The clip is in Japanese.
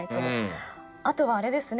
あとはあれですね。